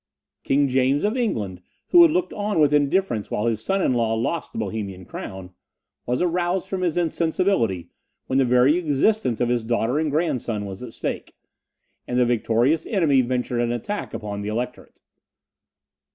King James of England, who had looked on with indifference while his son in law lost the Bohemian crown, was aroused from his insensibility when the very existence of his daughter and grandson was at stake, and the victorious enemy ventured an attack upon the Electorate.